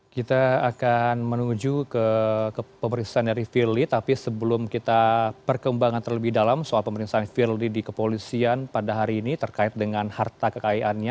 kita akan menuju ke pemeriksaan dari firly tapi sebelum kita perkembangan terlebih dalam soal pemeriksaan firly di kepolisian pada hari ini terkait dengan harta kekayaannya